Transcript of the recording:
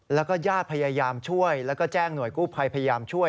แล้วก็ญาติพยายามช่วยแล้วก็แจ้งหน่วยกู้ภัยพยายามช่วย